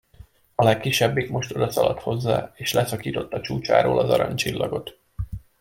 A legkisebbik most odaszaladt hozzá, és leszakította csúcsáról az aranycsillagot.